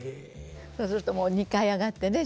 そうするともう２階へ上がってね